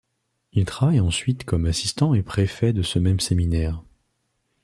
Il travaille ensuite comme assistant et préfet de ce même séminaire.